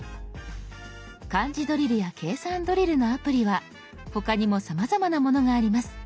「漢字ドリル」や「計算ドリル」のアプリは他にもさまざまなものがあります。